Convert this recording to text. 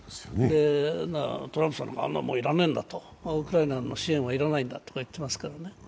トランプさんは、あんなものは要らないんだと、ウクライナの支援は要らないんだと言ってますからね。